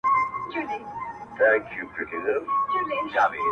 نوم یې له خلکو هېر شوی